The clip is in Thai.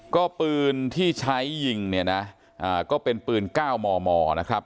ก็ปืนที่ใช้ยิงเนี่ยนะก็เป็นปืน๙มมนะครับ